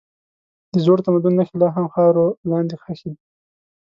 د زوړ تمدن نښې لا هم خاورو لاندې ښخي دي.